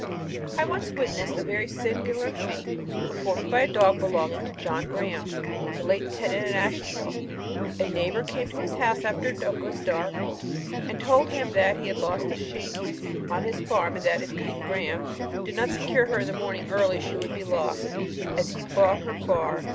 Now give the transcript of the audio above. "I once witnessed a very singular feat performed by a dog belonging to John Graham, late tenant in Ashiesteel. A neighbour came to his house after it was dark, and told him that he had lost a sheep on his farm, and that if he (Graham) did not secure her in the morning early, she would be lost, as he had brought her far.